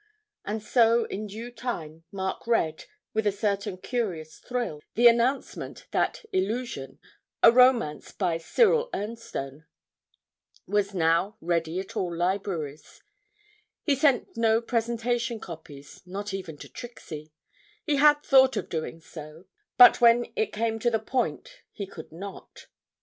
And so in due time Mark read, with a certain curious thrill, the announcement that 'Illusion,' a romance by Cyril Ernstone, was 'now ready at all libraries;' he sent no presentation copies, not even to Trixie he had thought of doing so, but when it came to the point he could not.